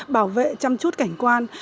bảo vệ chăm chút cảnh quan